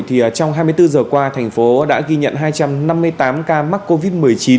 trong hai mươi bốn giờ qua thành phố đã ghi nhận hai trăm năm mươi tám ca mắc covid một mươi chín